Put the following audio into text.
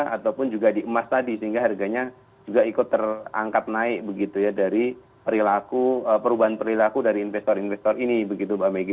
ataupun juga di emas tadi sehingga harganya juga ikut terangkat naik begitu ya dari perubahan perilaku dari investor investor ini begitu mbak megi